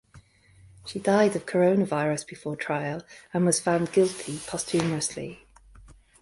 She died of coronavirus before trial and was found guilty posthumously.